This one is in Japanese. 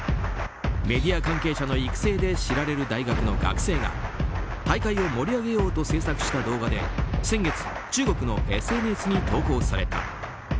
メディア関係者の育成で知られる大学の学生が大会を盛り上げようと制作した動画で先月、中国のＳＮＳに投稿された。